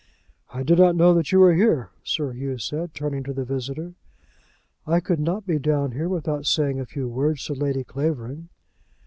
"I did not know that you were here," Sir Hugh said, turning to the visitor. "I could not be down here without saying a few words to Lady Clavering."